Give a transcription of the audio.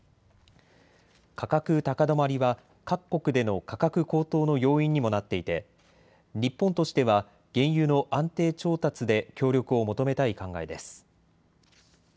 価格高止まりは各国での価格高騰の要因にもなっていて日本としては原油の安定調達で協力を求めたい考えです。